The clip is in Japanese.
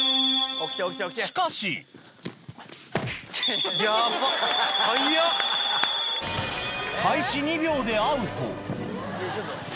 しかし。開始２秒でアウト。